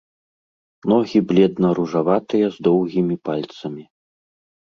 Ногі бледна ружаватыя з доўгімі пальцамі.